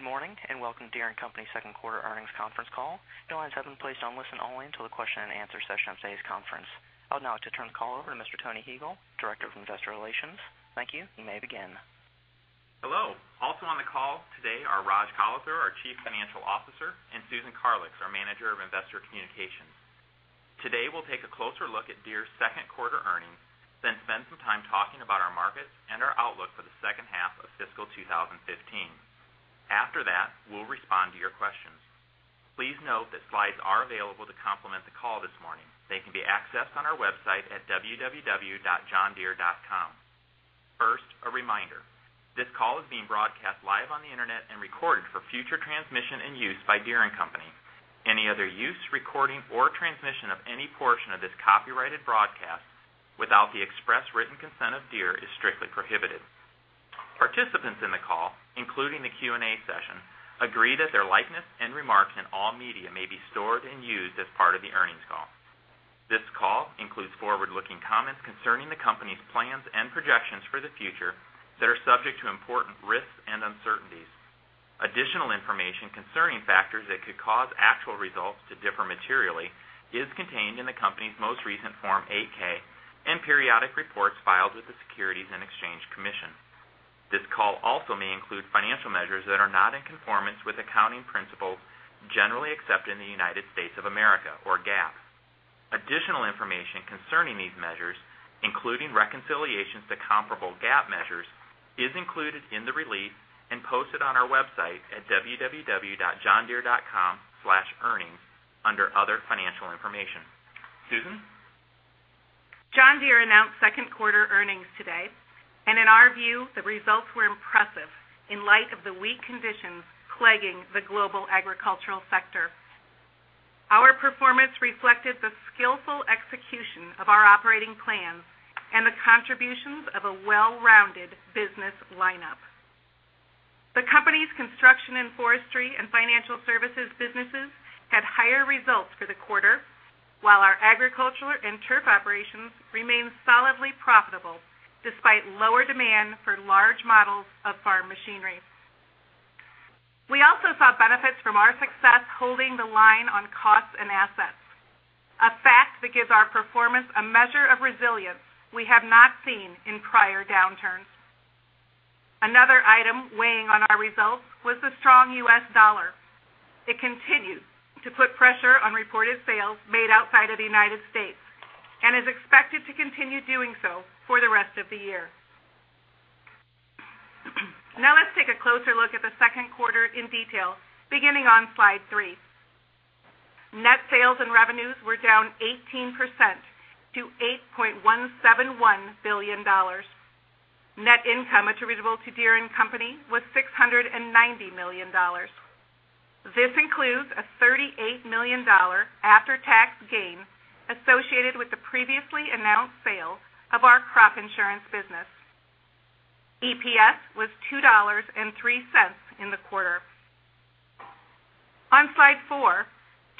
Good morning, welcome to Deere & Company second quarter earnings conference call. Your lines have been placed on listen only until the question-and-answer session of today's conference. I would now like to turn the call over to Mr. Tony Huegel, Director of Investor Relations. Thank you. You may begin. Hello. Also on the call today are Raj Kalathur, our Chief Financial Officer, and Susan Karlix, our Manager of Investor Communications. Today, we'll take a closer look at Deere's second quarter earnings, spend some time talking about our markets and our outlook for the second half of fiscal 2015. After that, we'll respond to your questions. Please note that slides are available to complement the call this morning. They can be accessed on our website at www.johndeere.com. First, a reminder. This call is being broadcast live on the internet and recorded for future transmission and use by Deere & Company. Any other use, recording, or transmission of any portion of this copyrighted broadcast without the express written consent of Deere is strictly prohibited. Participants in the call, including the Q&A session, agree that their likeness and remarks in all media may be stored and used as part of the earnings call. This call includes forward-looking comments concerning the company's plans and projections for the future that are subject to important risks and uncertainties. Additional information concerning factors that could cause actual results to differ materially is contained in the company's most recent Form 8-K and periodic reports filed with the Securities and Exchange Commission. This call also may include financial measures that are not in conformance with accounting principles generally accepted in the United States of America, or GAAP. Additional information concerning these measures, including reconciliations to comparable GAAP measures, is included in the release and posted on our website at www.johndeere.com/earnings under Other Financial Information. Susan? John Deere announced second quarter earnings today, in our view, the results were impressive in light of the weak conditions plaguing the global agricultural sector. Our performance reflected the skillful execution of our operating plans and the contributions of a well-rounded business lineup. The company's Construction and Forestry and Financial Services businesses had higher results for the quarter, while our Agriculture and Turf operations remain solidly profitable despite lower demand for large models of farm machinery. We also saw benefits from our success holding the line on costs and assets, a fact that gives our performance a measure of resilience we have not seen in prior downturns. Another item weighing on our results was the strong U.S. dollar. It continues to put pressure on reported sales made outside of the United States and is expected to continue doing so for the rest of the year. Now let's take a closer look at the second quarter in detail, beginning on slide three. Net sales and revenues were down 18% to $8.171 billion. Net income attributable to Deere & Company was $690 million. This includes a $38 million after-tax gain associated with the previously announced sale of our crop insurance business. EPS was $2.03 in the quarter. On slide four,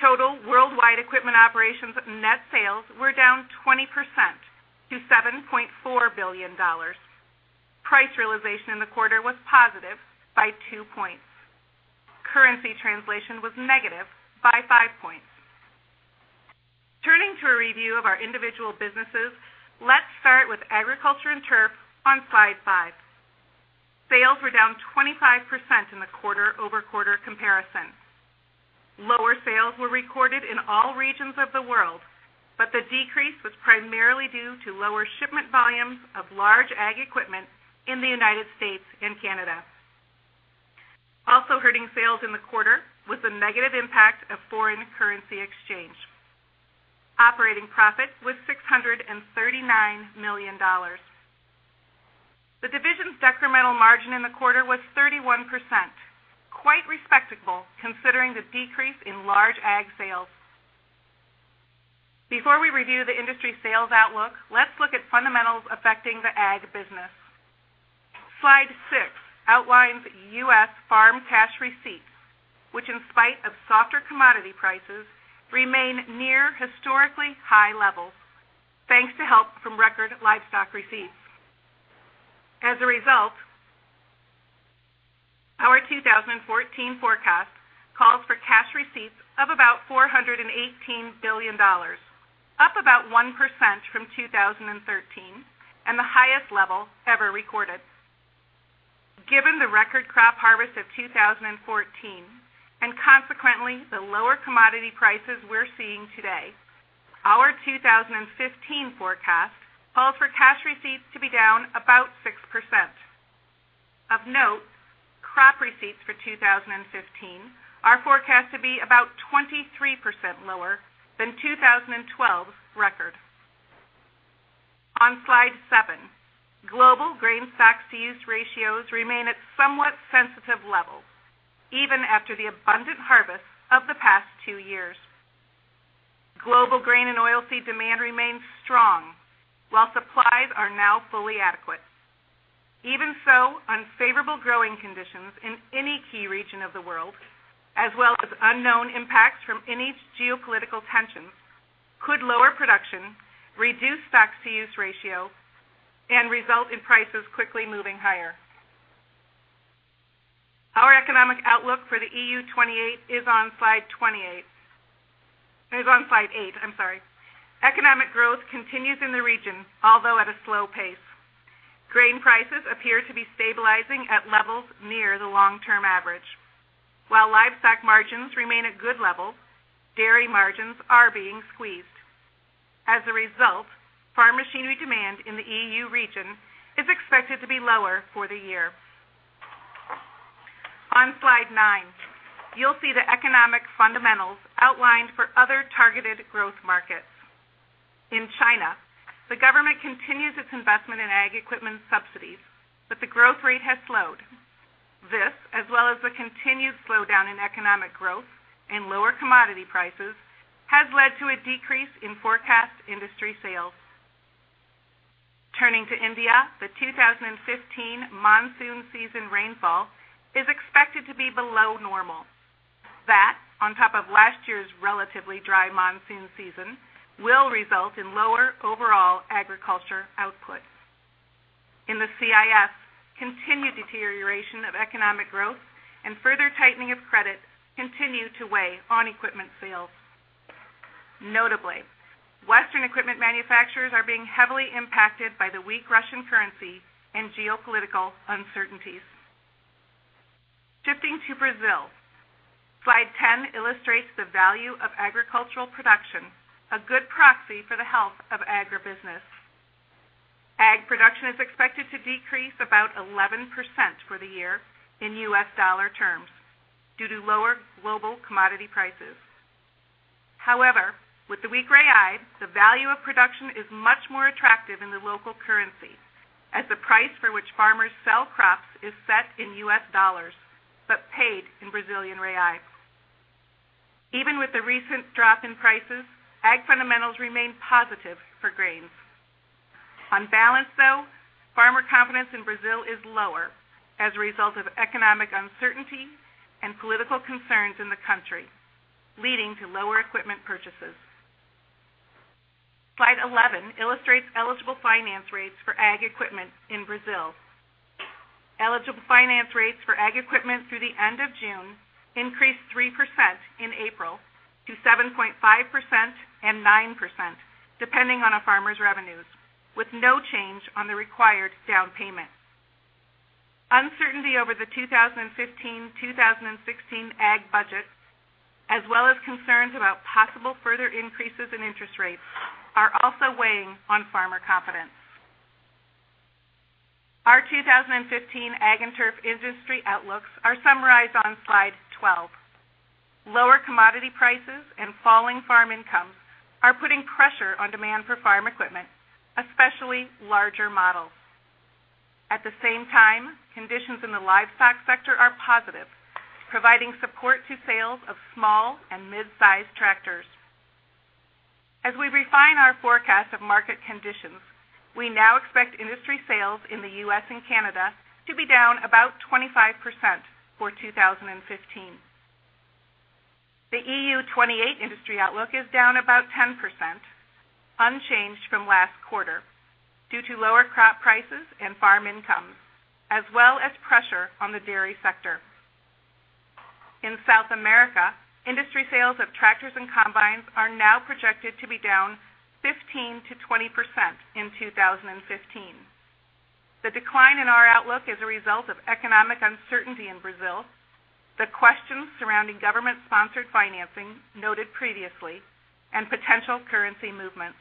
total worldwide equipment operations net sales were down 20% to $7.4 billion. Price realization in the quarter was positive by two points. Currency translation was negative by five points. Turning to a review of our individual businesses, let's start with Agriculture and Turf on slide five. Sales were down 25% in the quarter-over-quarter comparison. Lower sales were recorded in all regions of the world, but the decrease was primarily due to lower shipment volumes of large ag equipment in the U.S. and Canada. Also hurting sales in the quarter was the negative impact of foreign currency exchange. Operating profit was $639 million. The division's incremental margin in the quarter was 31%, quite respectable considering the decrease in large ag sales. Before we review the industry sales outlook, let's look at fundamentals affecting the ag business. Slide six outlines U.S. farm cash receipts, which in spite of softer commodity prices, remain near historically high levels, thanks to help from record livestock receipts. As a result, our 2014 forecast calls for cash receipts of about $418 billion, up about 1% from 2013 and the highest level ever recorded. Given the record crop harvest of 2014, and consequently, the lower commodity prices we're seeing today, our 2015 forecast calls for cash receipts to be down about 6%. Of note, crop receipts for 2015 are forecast to be about 23% lower than 2012's record. On slide seven, global grain stock-to-use ratios remain at somewhat sensitive levels, even after the abundant harvest of the past two years. Global grain and oil seed demand remains strong, while supplies are now fully adequate. Even so, unfavorable growing conditions in any key region of the world, as well as unknown impacts from any geopolitical tensions could lower production, reduce stocks-to-use ratio, and result in prices quickly moving higher. Our economic outlook for the EU 28 is on slide 28. Is on slide eight, I'm sorry. Economic growth continues in the region, although at a slow pace. Grain prices appear to be stabilizing at levels near the long-term average. While livestock margins remain at good levels, dairy margins are being squeezed. As a result, farm machinery demand in the EU region is expected to be lower for the year. On slide nine, you'll see the economic fundamentals outlined for other targeted growth markets. In China, the government continues its investment in ag equipment subsidies, but the growth rate has slowed. This, as well as the continued slowdown in economic growth and lower commodity prices, has led to a decrease in forecast industry sales. Turning to India, the 2015 monsoon season rainfall is expected to be below normal. That, on top of last year's relatively dry monsoon season, will result in lower overall agriculture output. In the CIS, continued deterioration of economic growth and further tightening of credit continue to weigh on equipment sales. Notably, Western equipment manufacturers are being heavily impacted by the weak Russian currency and geopolitical uncertainties. Shifting to Brazil, slide 10 illustrates the value of agricultural production, a good proxy for the health of agribusiness. Ag production is expected to decrease about 11% for the year in U.S. dollar terms due to lower global commodity prices. With the weak real, the value of production is much more attractive in the local currency as the price for which farmers sell crops is set in U.S. dollars but paid in Brazilian real. Even with the recent drop in prices, Ag fundamentals remain positive for grains. On balance, though, farmer confidence in Brazil is lower as a result of economic uncertainty and political concerns in the country, leading to lower equipment purchases. Slide 11 illustrates eligible finance rates for Ag equipment in Brazil. Eligible finance rates for Ag equipment through the end of June increased 3% in April to 7.5% and 9%, depending on a farmer's revenues, with no change on the required down payment. Uncertainty over the 2015-2016 Ag budget, as well as concerns about possible further increases in interest rates, are also weighing on farmer confidence. Our 2015 Ag and Turf industry outlooks are summarized on slide 12. Lower commodity prices and falling farm incomes are putting pressure on demand for farm equipment, especially larger models. At the same time, conditions in the livestock sector are positive, providing support to sales of small and midsize Tractors. As we refine our forecast of market conditions, we now expect industry sales in the U.S. and Canada to be down about 25% for 2015. The EU 28 industry outlook is down about 10%, unchanged from last quarter, due to lower crop prices and farm incomes, as well as pressure on the dairy sector. In South America, industry sales of Tractors and Combines are now projected to be down 15%-20% in 2015. The decline in our outlook is a result of economic uncertainty in Brazil, the questions surrounding government-sponsored financing noted previously, and potential currency movements.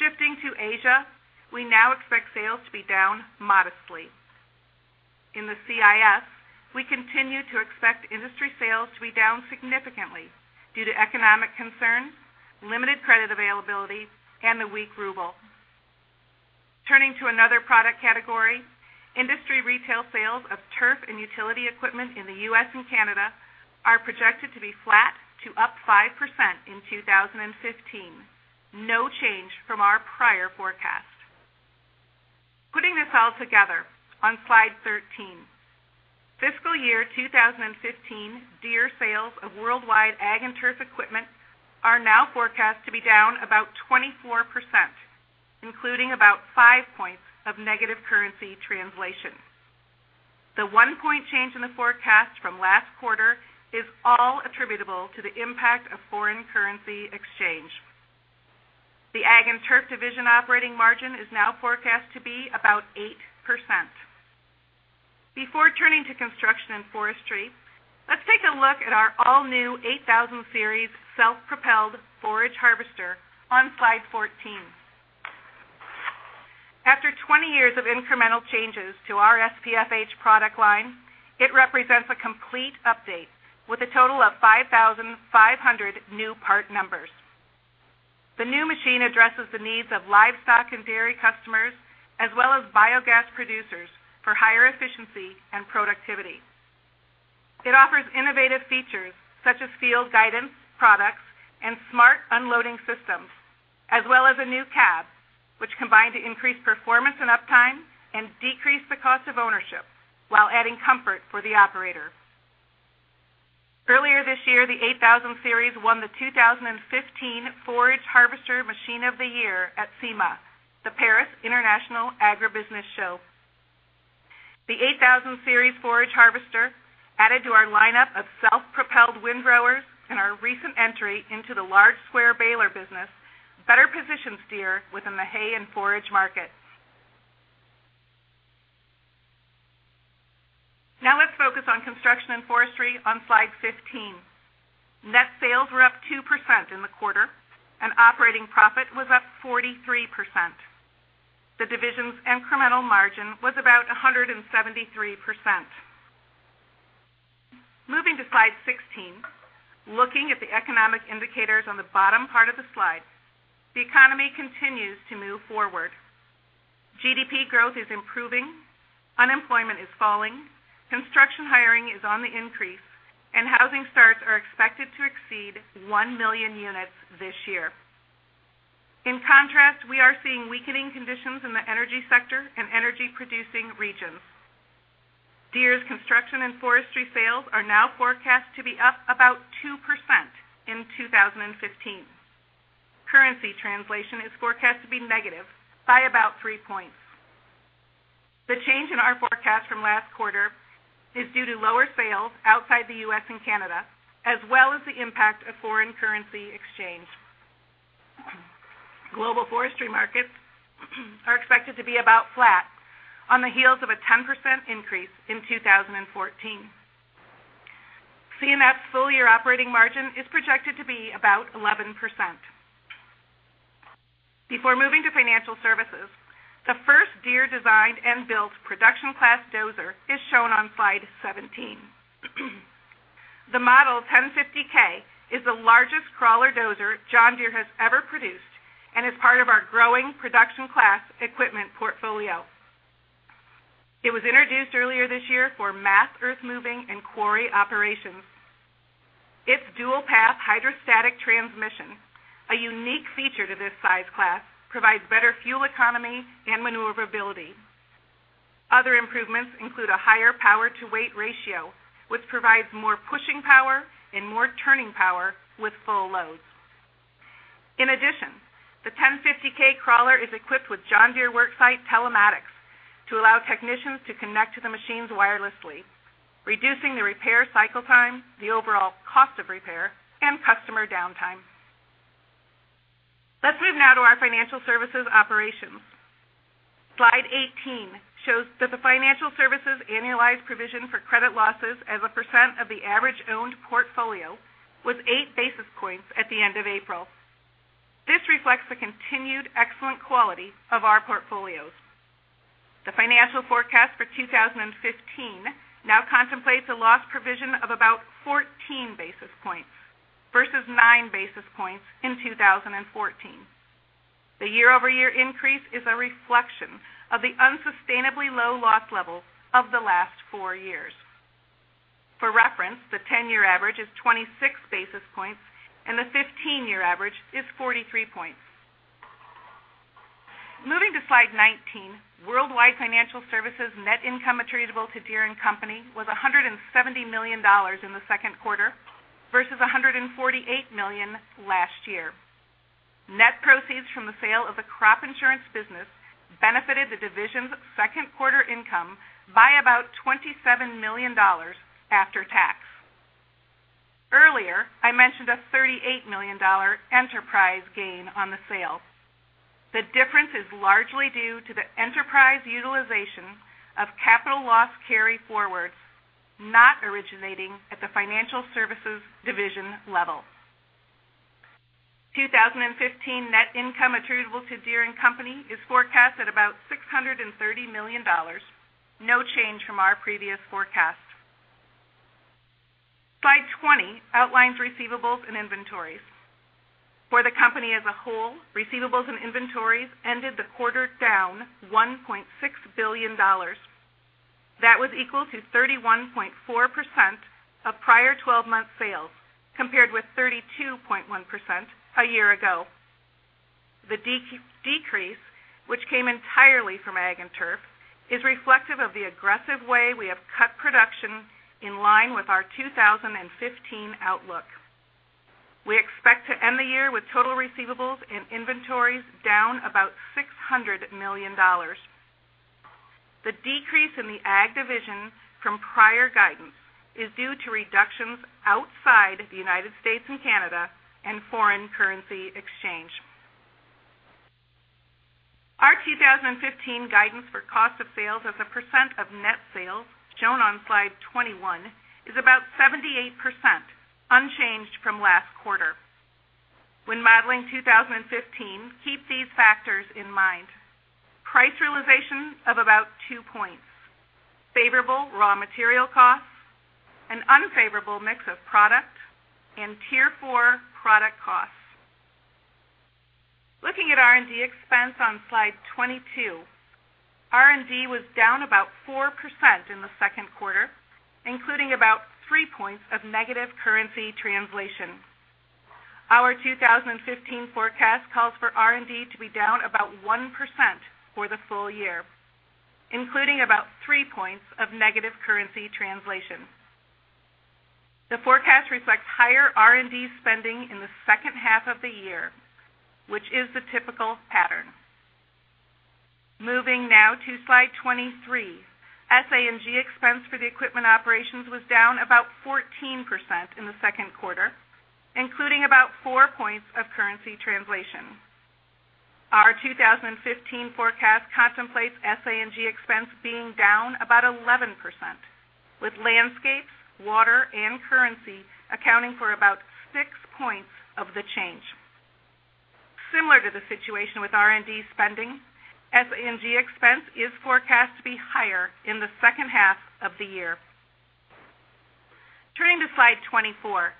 Shifting to Asia, we now expect sales to be down modestly. In the CIS, we continue to expect industry sales to be down significantly due to economic concerns, limited credit availability, and the weak ruble. Turning to another product category, industry retail sales of turf and utility equipment in the U.S. and Canada are projected to be flat to up 5% in 2015, no change from our prior forecast. Putting this all together on slide 13. Fiscal year 2015 Deere sales of worldwide Ag and Turf equipment are now forecast to be down about 24%, including about five points of negative currency translation. The one-point change in the forecast from last quarter is all attributable to the impact of foreign currency exchange. The Ag and Turf division operating margin is now forecast to be about 8%. Before turning to construction and forestry, let's take a look at our all-new 8000 Series Self-Propelled Forage Harvester on slide 14. After 20 years of incremental changes to our SPFH product line, it represents a complete update with a total of 5,500 new part numbers. The new machine addresses the needs of livestock and dairy customers, as well as biogas producers for higher efficiency and productivity. It offers innovative features such as field guidance products and smart unloading systems, as well as a new cab- Combine to increase performance and uptime and decrease the cost of ownership while adding comfort for the operator. Earlier this year, the 8000 Series won the 2015 Forage Harvester Machine of the Year at SIMA, the Paris International Agribusiness Show. The 8000 Series forage harvester, added to our lineup of self-propelled wind rowers and our recent entry into the large square baler business, better positions Deere within the hay and forage market. Let's focus on Construction & Forestry on slide 15. Net sales were up 2% in the quarter, and operating profit was up 43%. The division's incremental margin was about 173%. Moving to slide 16, looking at the economic indicators on the bottom part of the slide, the economy continues to move forward. GDP growth is improving, unemployment is falling, construction hiring is on the increase, and housing starts are expected to exceed 1 million units this year. In contrast, we are seeing weakening conditions in the energy sector and energy-producing regions. Deere's Construction & Forestry sales are now forecast to be up about 2% in 2015. Currency translation is forecast to be negative by about 3 points. The change in our forecast from last quarter is due to lower sales outside the U.S. and Canada, as well as the impact of foreign currency exchange. Global forestry markets are expected to be about flat on the heels of a 10% increase in 2014. C&F's full-year operating margin is projected to be about 11%. Before moving to Financial Services, the first Deere-designed and -built production class dozer is shown on slide 17. The Model 1050K is the largest crawler dozer John Deere has ever produced and is part of our growing production class equipment portfolio. It was introduced earlier this year for mass earthmoving and quarry operations. Its dual-path hydrostatic transmission, a unique feature to this size class, provides better fuel economy and maneuverability. Other improvements include a higher power-to-weight ratio, which provides more pushing power and more turning power with full loads. In addition, the 1050K Crawler is equipped with John Deere WorkSight Telematics to allow technicians to connect to the machines wirelessly, reducing the repair cycle time, the overall cost of repair, and customer downtime. Let's move now to our Financial Services operations. Slide 18 shows that the Financial Services annualized provision for credit losses as a percent of the average owned portfolio was eight basis points at the end of April. This reflects the continued excellent quality of our portfolios. The financial forecast for 2015 now contemplates a loss provision of about 14 basis points versus nine basis points in 2014. The year-over-year increase is a reflection of the unsustainably low loss level of the last four years. For reference, the 10-year average is 26 basis points, and the 15-year average is 43 points. Moving to slide 19, worldwide Financial Services net income attributable to Deere & Company was $170 million in the second quarter versus $148 million last year. Net proceeds from the sale of the crop insurance business benefited the division's second quarter income by about $27 million after tax. Earlier, I mentioned a $38 million enterprise gain on the sale. The difference is largely due to the enterprise utilization of capital loss carryforwards, not originating at the Financial Services division level. 2015 net income attributable to Deere & Company is forecast at about $630 million, no change from our previous forecast. Slide 20 outlines receivables and inventories. For the company as a whole, receivables and inventories ended the quarter down $1.6 billion. That was equal to 31.4% of prior 12-month sales, compared with 32.1% a year ago. The decrease, which came entirely from Ag & Turf, is reflective of the aggressive way we have cut production in line with our 2015 outlook. We expect to end the year with total receivables and inventories down about $600 million. The decrease in the Ag division from prior guidance is due to reductions outside the United States and Canada and foreign currency exchange. Our 2015 guidance for cost of sales as a percent of net sales, shown on slide 21, is about 78%, unchanged from last quarter. When modeling 2015, keep these factors in mind. Price realization of about two points, favorable raw material costs, an unfavorable mix of product, and Tier 4 product costs. Looking at R&D expense on slide 22. R&D was down about 4% in the second quarter, including about three points of negative currency translation. Our 2015 forecast calls for R&D to be down about 1% for the full year, including about three points of negative currency translation. The forecast reflects higher R&D spending in the second half of the year, which is the typical pattern. Moving now to slide 23. SG&A expense for the equipment operations was down about 14% in the second quarter, including about four points of currency translation. Our 2015 forecast contemplates SG&A expense being down about 11%, with Landscapes, Water, and currency accounting for about six points of the change. Similar to the situation with R&D spending, SG&A expense is forecast to be higher in the second half of the year. Turning to slide 24.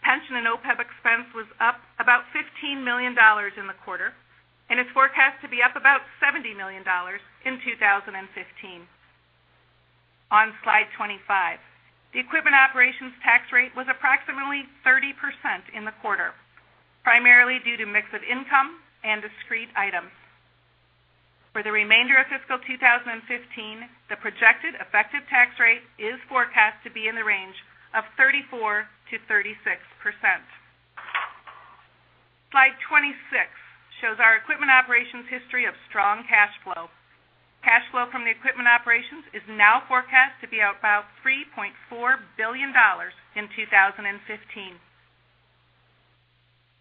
Pension and OPEB expense was up about $15 million in the quarter, and it's forecast to be up about $70 million in 2015. On slide 25. The equipment operations tax rate was approximately 30% in the quarter, primarily due to mix of income and discrete items. For the remainder of fiscal 2015, the projected effective tax rate is forecast to be in the range of 34%-36%. Slide 26 shows our equipment operations history of strong cash flow. Cash flow from the equipment operations is now forecast to be about $3.4 billion in 2015.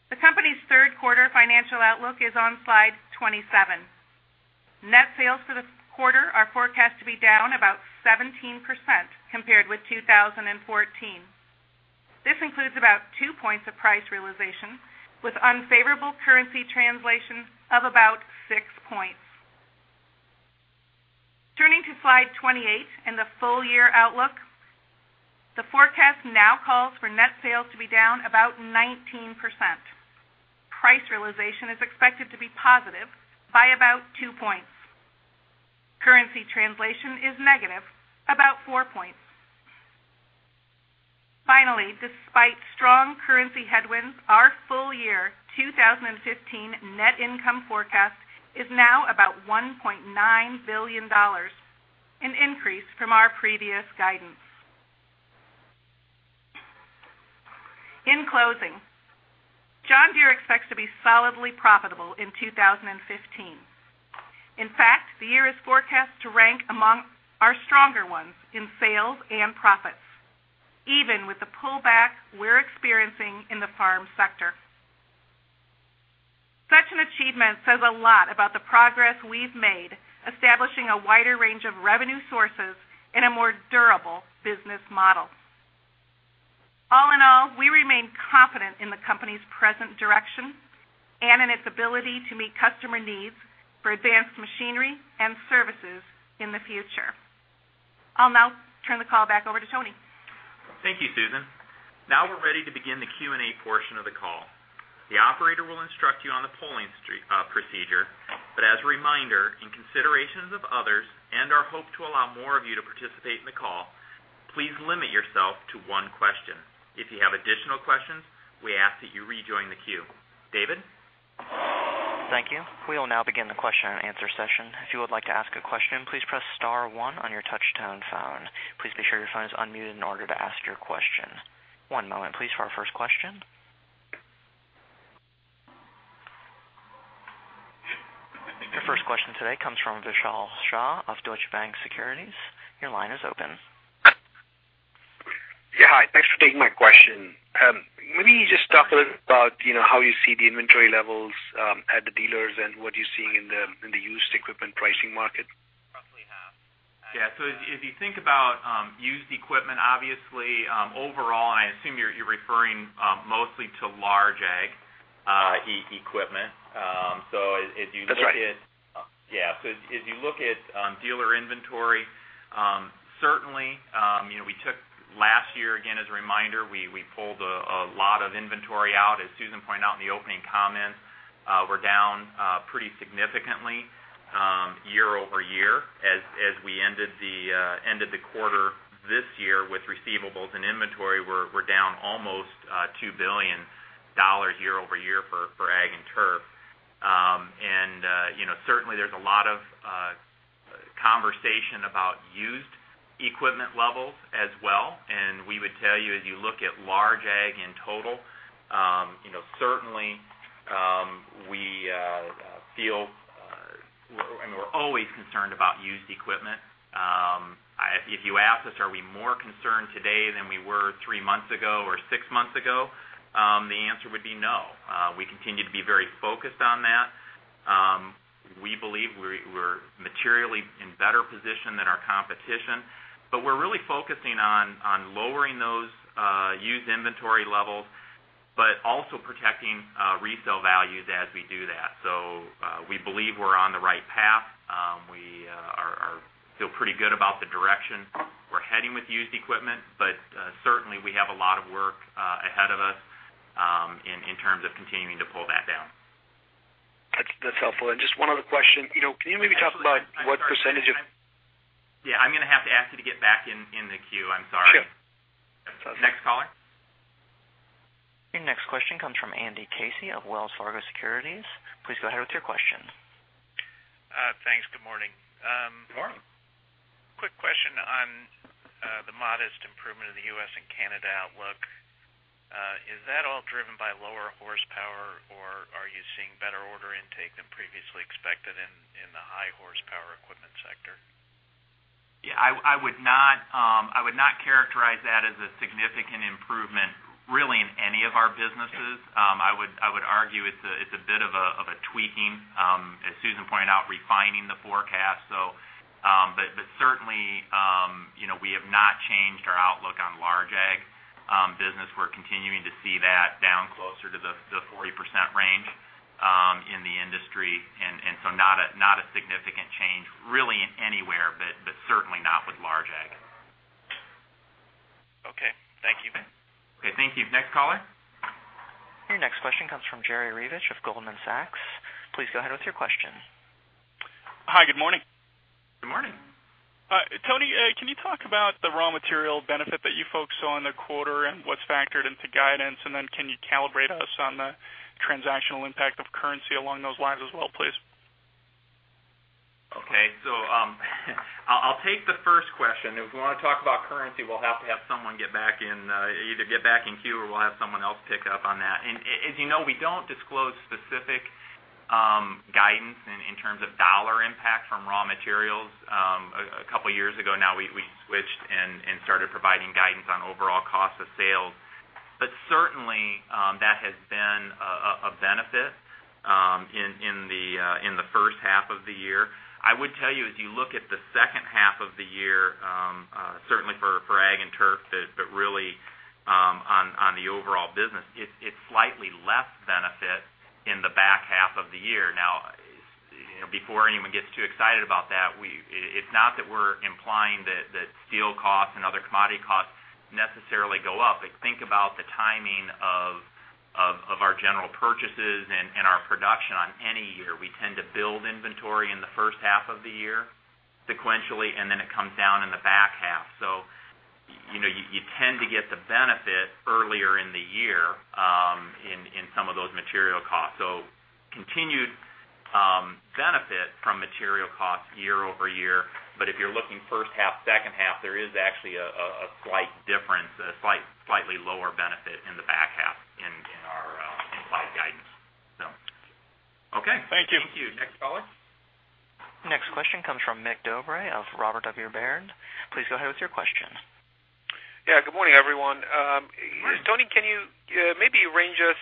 The company's third quarter financial outlook is on slide 27. Net sales for the quarter are forecast to be down about 17% compared with 2014. This includes about two points of price realization, with unfavorable currency translation of about six points. Turning to slide 28 and the full-year outlook. The forecast now calls for net sales to be down about 19%. Price realization is expected to be positive by about two points. Currency translation is negative, about four points. Finally, despite strong currency headwinds, our full-year 2015 net income forecast is now about $1.9 billion, an increase from our previous guidance. In closing, John Deere expects to be solidly profitable in 2015. In fact, the year is forecast to rank among our stronger ones in sales and profits, even with the pullback we're experiencing in the farm sector. Such an achievement says a lot about the progress we've made establishing a wider range of revenue sources and a more durable business model. All in all, we remain confident in the company's present direction and in its ability to meet customer needs for advanced machinery and services in the future. I'll now turn the call back over to Tony. Thank you, Susan. Now we're ready to begin the Q&A portion of the call. The operator will instruct you on the polling procedure. As a reminder, in considerations of others and our hope to allow more of you to participate in the call, please limit yourself to one question. If you have additional questions, we ask that you rejoin the queue. David? Thank you. We will now begin the question and answer session. If you would like to ask a question, please press *1 on your touch-tone phone. Please be sure your phone is unmuted in order to ask your question. One moment please for our first question. The first question today comes from Vishal Shah of Deutsche Bank Securities. Your line is open. Yeah. Hi, thanks for taking my question. Maybe just talk a little bit about how you see the inventory levels at the dealers and what you're seeing in the used equipment pricing market. Yeah. If you think about used equipment, obviously, overall, and I assume you're referring mostly to large ag equipment. That's right. Yeah. If you look at dealer inventory, certainly we took last year again, as a reminder, we pulled a lot of inventory out. As Susan Karlix pointed out in the opening comments, we're down pretty significantly year-over-year as we ended the quarter this year with receivables and inventory, we're down almost $2 billion year-over-year for ag and turf. Certainly, there's a lot of conversation about used equipment levels as well. We would tell you, as you look at large ag in total, certainly, we're always concerned about used equipment. If you ask us, are we more concerned today than we were three months ago or six months ago? The answer would be no. We continue to be very focused on that. We believe we're materially in better position than our competition. We're really focusing on lowering those used inventory levels, but also protecting resale values as we do that. We believe we're on the right path. We feel pretty good about the direction we're heading with used equipment, but certainly, we have a lot of work ahead of us, continuing to pull that down. That's helpful. Just one other question. Can you maybe talk about what percentage of? Yeah, I'm going to have to ask you to get back in the queue. I'm sorry. Sure. That's okay. Next caller. Your next question comes from Andy Casey of Wells Fargo Securities. Please go ahead with your question. Thanks. Good morning. Good morning. Quick question on the modest improvement of the U.S. and Canada outlook. Is that all driven by lower horsepower, or are you seeing better order intake than previously expected in the high horsepower equipment sector? Yeah, I would not characterize that as a significant improvement, really, in any of our businesses. Okay. I would argue it's a bit of a tweaking. As Susan pointed out, refining the forecast. Certainly, we have not changed our outlook on large ag business. We're continuing to see that down closer to the 40% range in the industry, not a significant change really anywhere, but certainly not with large ag. Okay. Thank you. Okay, thank you. Next caller? Your next question comes from Jerry Revich of Goldman Sachs. Please go ahead with your question. Hi. Good morning. Good morning. Tony, can you talk about the raw material benefit that you folks saw in the quarter and what's factored into guidance? Can you calibrate us on the transactional impact of currency along those lines as well, please? Okay. I'll take the first question. If we want to talk about currency, we'll have to have someone get back in, either get back in queue or we'll have someone else pick up on that. As you know, we don't disclose specific guidance in terms of $ impact from raw materials. A couple of years ago now, we switched and started providing guidance on overall cost of sales. Certainly, that has been a benefit in the first half of the year. I would tell you, as you look at the second half of the year, certainly for Ag and Turf, but really on the overall business, it's slightly less benefit in the back half of the year. Before anyone gets too excited about that, it's not that we're implying that steel costs and other commodity costs necessarily go up. Think about the timing of our general purchases and our production on any year. We tend to build inventory in the first half of the year sequentially, and then it comes down in the back half. You tend to get the benefit earlier in the year in some of those material costs. Continued benefit from material costs year-over-year. If you're looking first half, second half, there is actually a slight difference, a slightly lower benefit in the back half in our implied guidance. Okay. Thank you. Thank you. Next caller? Next question comes from Mircea Dobre of Robert W. Baird. Please go ahead with your question. Yeah, good morning, everyone. Morning. Tony, can you maybe range us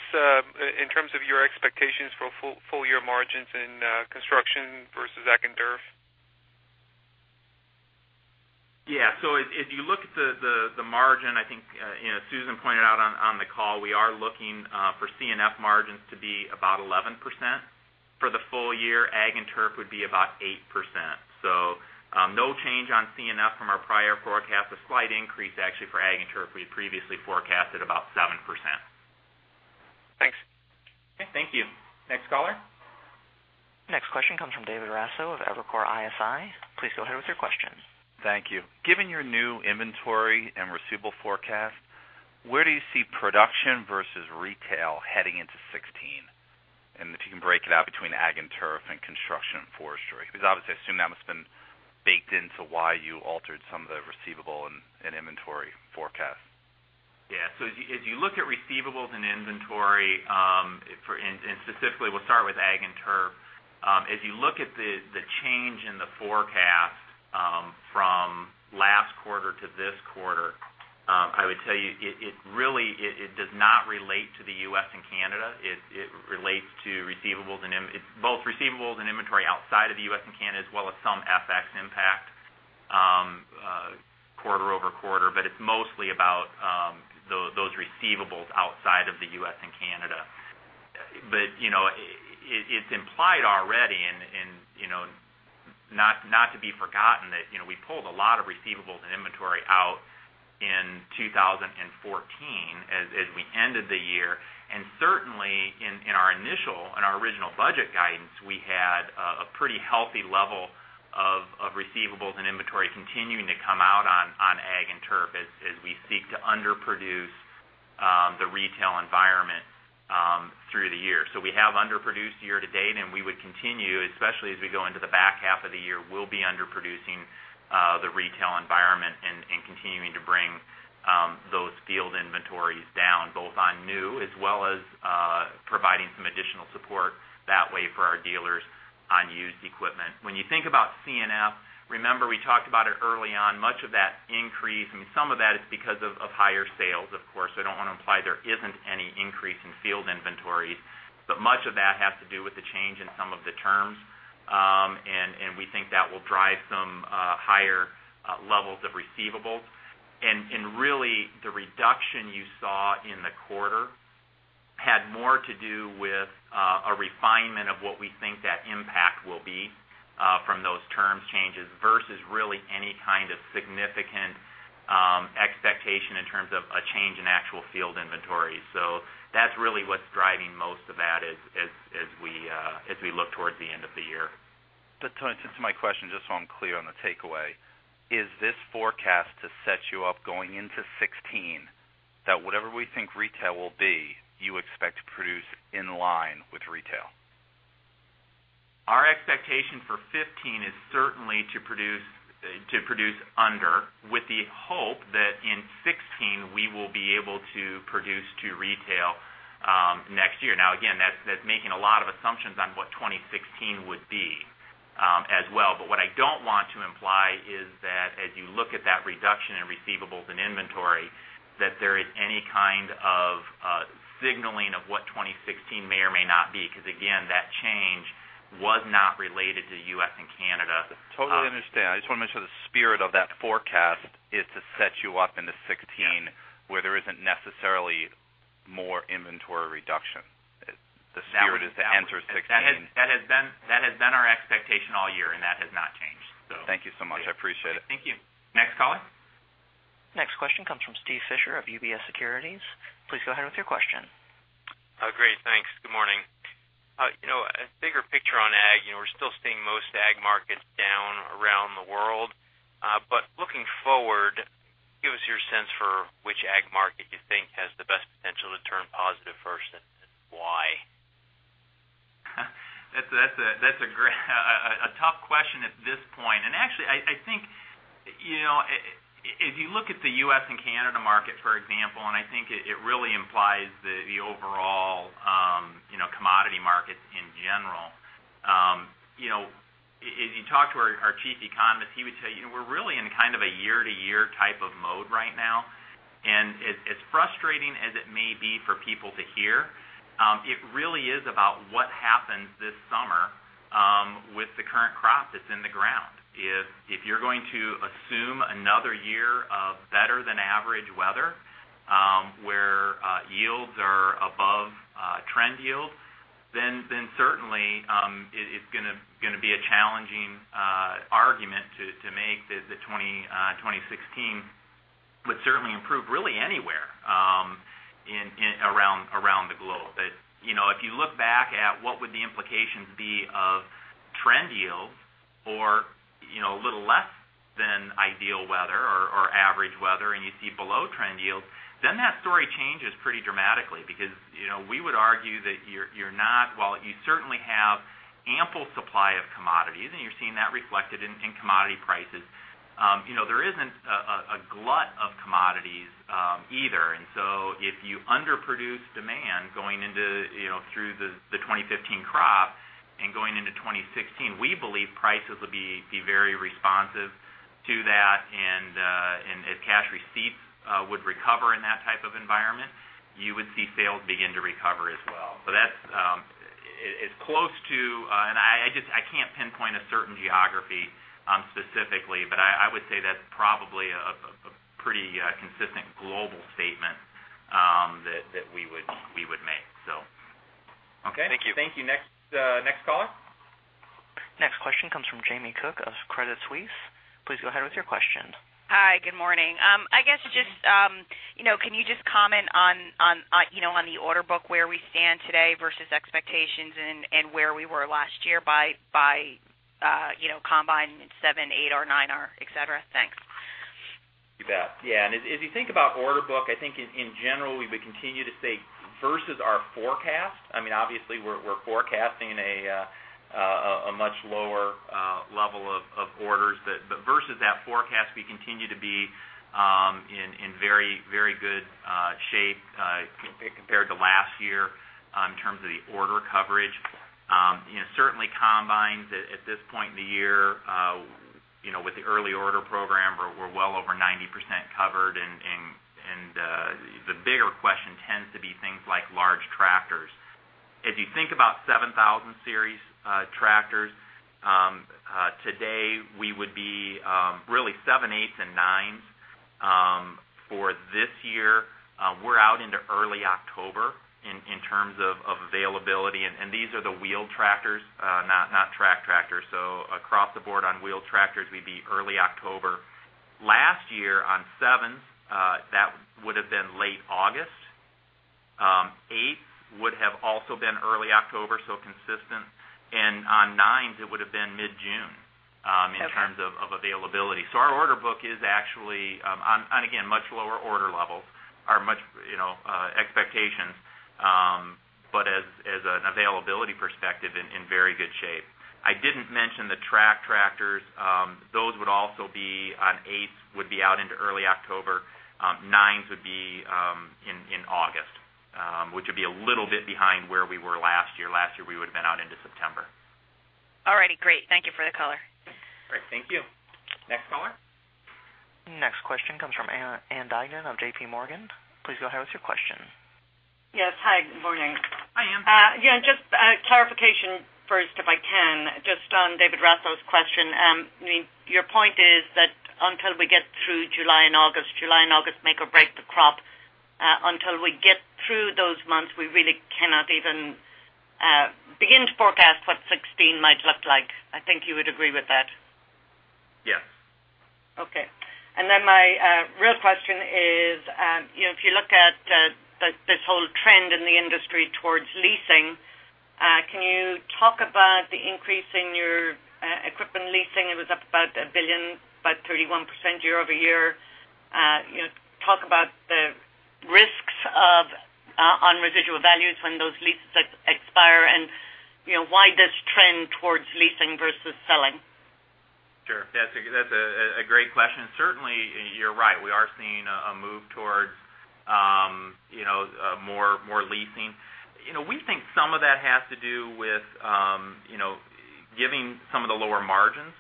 in terms of your expectations for full year margins in Construction versus Ag and Turf? Yeah. If you look at the margin, I think Susan pointed out on the call, we are looking for CNF margins to be about 11% for the full year. Ag and Turf would be about 8%. No change on CNF from our prior forecast. A slight increase actually for Ag and Turf. We had previously forecasted about 7%. Thanks. Okay, thank you. Next caller? Next question comes from David Raso of Evercore ISI. Please go ahead with your question. Thank you. Given your new inventory and receivable forecast, where do you see production versus retail heading into 2016? If you can break it out between Ag and Turf and Construction and Forestry, because obviously I assume that must have been baked into why you altered some of the receivable and inventory forecasts. Yeah. As you look at receivables and inventory, and specifically we'll start with ag and turf. If you look at the change in the forecast from last quarter to this quarter, I would tell you it does not relate to the U.S. and Canada. It relates to both receivables and inventory outside of the U.S. and Canada, as well as some FX impact quarter-over-quarter. It's mostly about those receivables outside of the U.S. and Canada. It's implied already and not to be forgotten that we pulled a lot of receivables and inventory out in 2014 as we ended the year. Certainly in our initial, in our original budget guidance, we had a pretty healthy level of receivables and inventory continuing to come out on ag and turf as we seek to underproduce the retail environment through the year. We have underproduced year-to-date, and we would continue, especially as we go into the back half of the year, we'll be underproducing the retail environment and continuing to bring those field inventories down, both on new as well as providing some additional support that way for our dealers on used equipment. When you think about C&F, remember we talked about it early on. Much of that increase, I mean, some of that is because of higher sales, of course. I don't want to imply there isn't any increase in field inventories. Much of that has to do with the change in some of the terms, and we think that will drive some higher levels of receivables. Really, the reduction you saw in the quarter had more to do with refinement of what we think that impact will be from those terms changes versus really any kind of significant expectation in terms of a change in actual field inventory. That's really what's driving most of that as we look towards the end of the year. Tony, just to my question, just so I'm clear on the takeaway. Is this forecast to set you up going into 2016, that whatever we think retail will be, you expect to produce in line with retail? Our expectation for 2015 is certainly to produce under with the hope that in 2016 we will be able to produce to retail next year. Again, that's making a lot of assumptions on what 2016 would be as well. What I don't want to imply is that as you look at that reduction in receivables and inventory, that there is any kind of signaling of what 2016 may or may not be, because again, that change was not related to U.S. and Canada. Totally understand. I just want to make sure the spirit of that forecast is to set you up into 2016. Yeah where there isn't necessarily more inventory reduction. The spirit is to enter 2016. That has been our expectation all year, and that has not changed. Thank you so much. I appreciate it. Thank you. Next caller. Next question comes from Steve Fisher of UBS Securities. Please go ahead with your question. Great. Thanks. Good morning. A bigger picture on ag. We're still seeing most ag markets down around the world. Looking forward, give us your sense for which ag market you think has the best potential to turn positive first, and why. That's a tough question at this point. Actually, I think, if you look at the U.S. and Canada markets, for example, I think it really implies the overall commodity markets in general. If you talk to our chief economist, he would say we're really in kind of a year-to-year type of mode right now. As frustrating as it may be for people to hear, it really is about what happens this summer with the current crop that's in the ground. If you're going to assume another year of better than average weather where yields are above trend yield, certainly it's going to be a challenging argument to make that the 2016 would certainly improve really anywhere around the globe. If you look back at what would the implications be of trend yields or a little less than ideal weather or average weather, and you see below trend yields, that story changes pretty dramatically because we would argue that you're not, while you certainly have ample supply of commodities, and you're seeing that reflected in commodity prices. There isn't a glut of commodities either. If you underproduce demand going through the 2015 crop and going into 2016, we believe prices would be very responsive to that. As cash receipts would recover in that type of environment, you would see sales begin to recover as well. That's close to, and I can't pinpoint a certain geography specifically, I would say that's probably a pretty consistent global statement that we would make. Okay. Thank you. Thank you. Next caller. Next question comes from Jamie Cook of Credit Suisse. Please go ahead with your question. Hi. Good morning. I guess just can you just comment on the order book where we stand today versus expectations and where we were last year by combining seven, eight, or nine, et cetera? Thanks. You bet. As you think about order book, I think in general, we would continue to say versus our forecast. Obviously, we're forecasting a much lower level of orders. Versus that forecast, we continue to be in very good shape compared to last year in terms of the order coverage. Certainly combines at this point in the year with the early order program, we're well over 90% covered, and the bigger question tends to be things like large tractors. If you think about 7000 Series Tractors, today we would be really 7s, 8s, and 9s for this year. We're out into early October in terms of availability, and these are the wheel tractors, not track tractors. Across the board on wheel tractors, we'd be early October. Last year on 7s, that would have been late August. 8s would have also been early October, so consistent, and on 9s, it would have been mid-June. Okay In terms of availability. Our order book is actually on, again, much lower order levels or much expectations. As an availability perspective, in very good shape. I didn't mention the track tractors. Those would also be on 8s, would be out into early October. 9s would be in August, which would be a little bit behind where we were last year. Last year, we would've been out into September. All right. Great. Thank you for the color. Great. Thank you. Next caller. Next question comes from Ann Duignan of J.P. Morgan. Please go ahead with your question. Yes. Hi. Good morning. Hi, Ann. Yeah, just clarification first, if I can, just on David Raso's question. Your point is that until we get through July and August, July and August make or break the crop. Until we get through those months, we really cannot even begin to forecast what 2016 might look like. I think you would agree with that. Yes. Okay. My real question is, if you look at this whole trend in the industry towards leasing, can you talk about the increase in your equipment leasing? It was up about $1 billion, about 31% year-over-year. Talk about the risks on residual values when those leases expire and why this trend towards leasing versus selling. Sure. That's a great question. Certainly, you're right. We are seeing a move towards more leasing. We think some of that has to do with giving some of the lower margins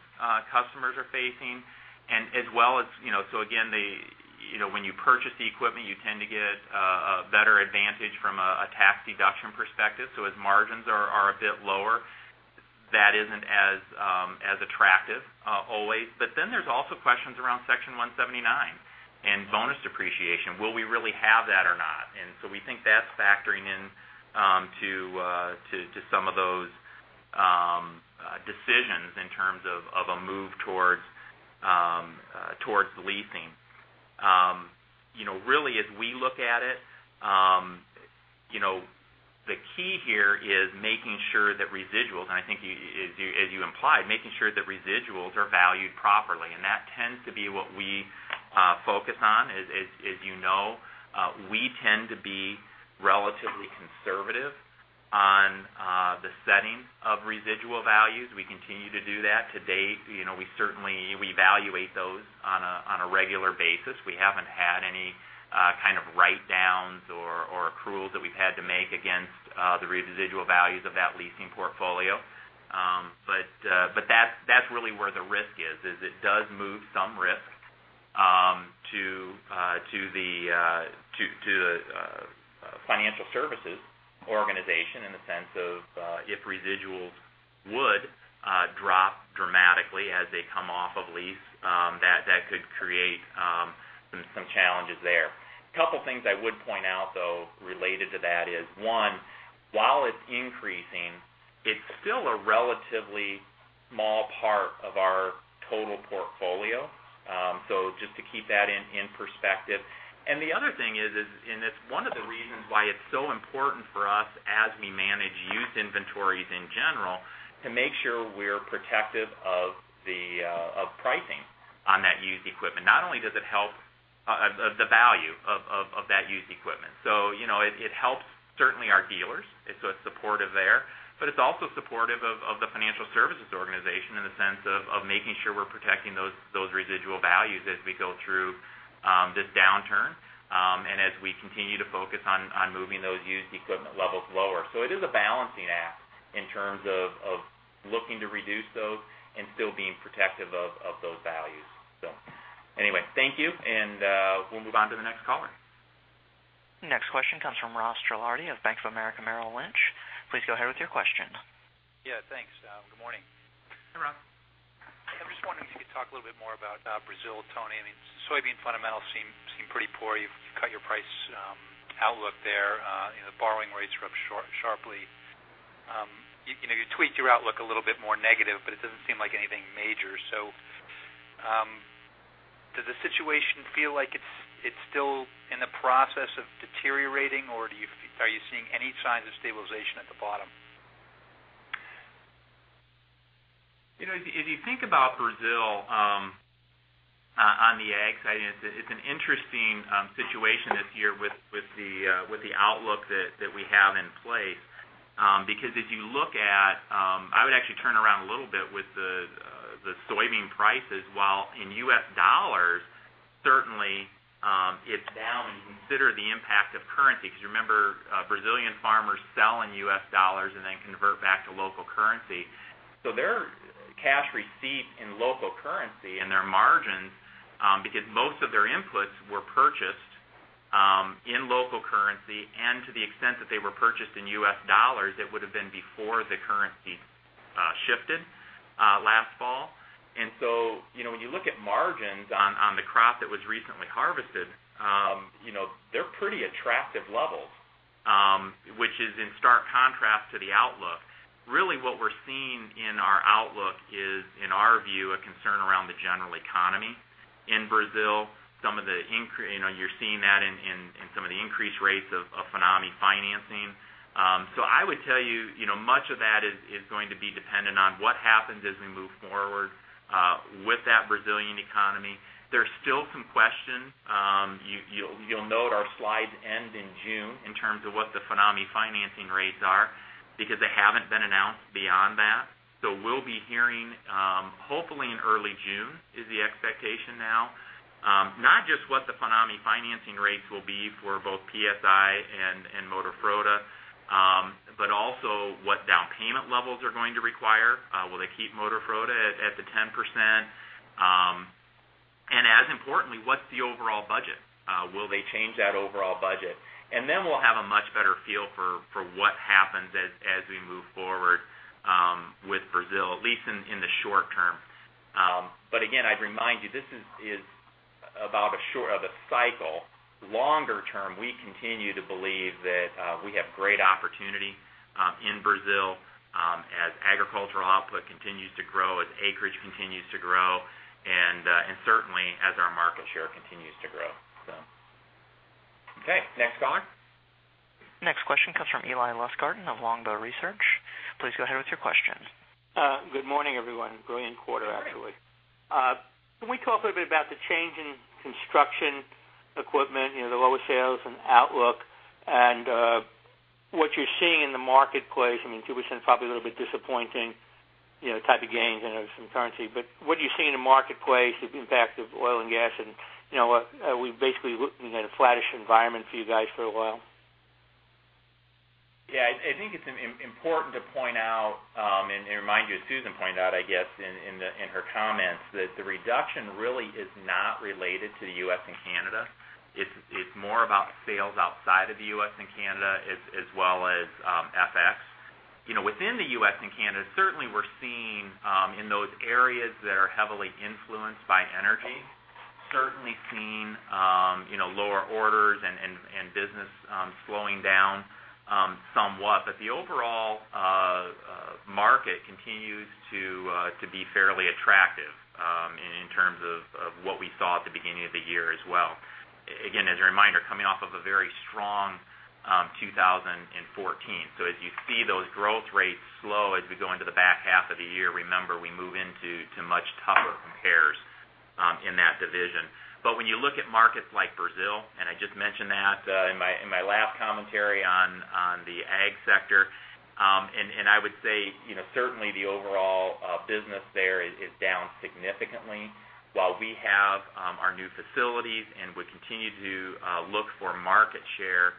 customers are facing as well as, again, when you purchase the equipment, you tend to get a better advantage from a tax deduction perspective. As margins are a bit lower, that isn't as attractive always. There's also questions around Section 179 and bonus depreciation. Will we really have that or not? We think that's factoring in to some of those decisions in terms of a move towards leasing. Really as we look at it, the key here is making sure that residuals, and I think as you implied, making sure that residuals are valued properly. That tends to be what we focus on. As you know, we tend to be relatively conservative on the setting of residual values. We continue to do that to date. We certainly evaluate those on a regular basis. We haven't had any kind of write-downs or accruals that we've had to make against the residual values of that leasing portfolio. That's really where the risk is it does move some risk to the financial services organization in the sense of, if residuals would drop dramatically as they come off of lease, that could create some challenges there. Couple of things I would point out, though, related to that is, one, while it's increasing, it's still a relatively small part of our total portfolio. Just to keep that in perspective. The other thing is, it's one of the reasons why it's so important for us as we manage used inventories in general, to make sure we're protective of pricing on that used equipment. Not only does it help the value of that used equipment. It helps certainly our dealers, it's supportive there, but it's also supportive of the financial services organization in the sense of making sure we're protecting those residual values as we go through this downturn, and as we continue to focus on moving those used equipment levels lower. It is a balancing act in terms of looking to reduce those and still being protective of those values. Anyway, thank you, and we'll move on to the next caller. Next question comes from Ross Gilardi of Bank of America Merrill Lynch. Please go ahead with your question. Yeah, thanks. Good morning. Hey, Ross. I'm just wondering if you could talk a little bit more about Brazil, Tony. I mean, soybean fundamentals seem pretty poor. You've cut your price outlook there. The borrowing rates are up sharply. You tweaked your outlook a little bit more negative, but it doesn't seem like anything major. Does the situation feel like it's still in the process of deteriorating, or are you seeing any signs of stabilization at the bottom? If you think about Brazil on the ag side, it's an interesting situation this year with the outlook that we have in place. Because if you look at, I would actually turn around a little bit with the soybean prices, while in U.S. dollars, certainly it's down when you consider the impact of currency, because remember, Brazilian farmers sell in U.S. dollars and then convert back to local currency. Their cash receipt in local currency and their margins, because most of their inputs were purchased in local currency, and to the extent that they were purchased in U.S. dollars, it would have been before the currency shifted last fall. When you look at margins on the crop that was recently harvested, they're pretty attractive levels, which is in stark contrast to the outlook. Really what we're seeing in our outlook is, in our view, a concern around the general economy in Brazil. You're seeing that in some of the increased rates of FINAME financing. I would tell you, much of that is going to be dependent on what happens as we move forward with that Brazilian economy. There's still some questions. You'll note our slides end in June in terms of what the FINAME financing rates are because they haven't been announced beyond that. We'll be hearing, hopefully in early June is the expectation now. Not just what the FINAME financing rates will be for both PSI and Moderfrota, but also what down payment levels are going to require. Will they keep Moderfrota at the 10%? As importantly, what's the overall budget? Will they change that overall budget? We'll have a much better feel for what happens as we move forward with Brazil, at least in the short term. Again, I'd remind you, this is about a cycle. Longer term, we continue to believe that we have great opportunity in Brazil as agricultural output continues to grow, as acreage continues to grow, and certainly, as our market share continues to grow. Okay, next caller. Next question comes from Eli Lustgarten of Longbow Research. Please go ahead with your question. Good morning, everyone. Brilliant quarter, actually. Good morning. Can we talk a little bit about the change in construction equipment, the lower sales and outlook, and what you're seeing in the marketplace? 2% is probably a little bit disappointing type of gains and there's some currency. What are you seeing in the marketplace, the impact of oil and gas, and are we basically looking at a flattish environment for you guys for a while? Yeah. I think it's important to point out and remind you, as Susan pointed out, I guess, in her comments, that the reduction really is not related to the U.S. and Canada. It's more about sales outside of the U.S. and Canada, as well as FX. Within the U.S. and Canada, certainly we're seeing in those areas that are heavily influenced by energy, certainly seeing lower orders and business slowing down somewhat. The overall market continues to be fairly attractive in terms of what we saw at the beginning of the year as well. Again, as a reminder, coming off of a very strong 2014. As you see those growth rates slow as we go into the back half of the year, remember, we move into much tougher compares in that division. When you look at markets like Brazil, and I just mentioned that in my last commentary on the ag sector, and I would say, certainly the overall business there is down significantly while we have our new facilities and we continue to look for market share